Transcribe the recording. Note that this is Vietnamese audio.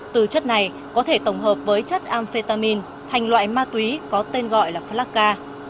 từ chất này có thể tổng hợp với chất amphetamine thành loại ma túy có tên gọi là flakka